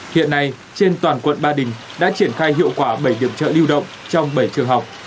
hiện nay trên toàn quận ba đình đã triển khai hiệu quả bảy điểm chợ lưu động trong bảy trường học